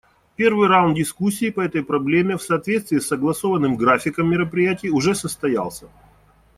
Первый раунд дискуссий по этой проблеме, в соответствии с согласованным графиком мероприятий, уже состоялся.